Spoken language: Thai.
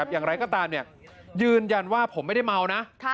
อย่างไรก็ตามยืนยันว่าผมไม่ได้เมานะ